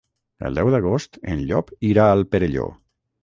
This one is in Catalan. El deu d'agost en Llop irà al Perelló.